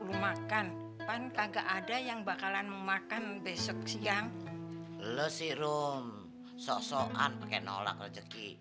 mau makan kan kagak ada yang bakalan memakan besok siang lu si rom sosokan pakai nolak rezeki